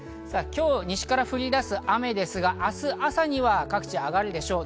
今日、西から降り出す雨ですが、明日朝には各地で上がるでしょう。